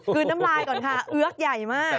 คืนน้ำลายก่อนค่ะเอือกใหญ่มาก